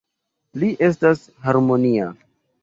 Li estas harmonia.